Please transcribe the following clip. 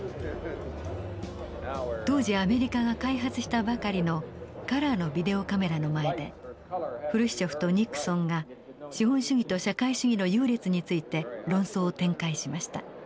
当時アメリカが開発したばかりのカラーのビデオカメラの前でフルシチョフとニクソンが資本主義と社会主義の優劣について論争を展開しました。